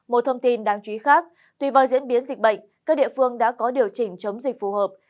một thông tin đáng chú ý khác tùy vào diễn biến dịch bệnh các địa phương đã có điều chỉnh chống dịch phù hợp